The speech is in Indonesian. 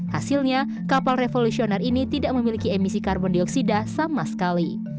hasilnya kapal revolusioner ini tidak memiliki emisi karbon dioksida sama sekali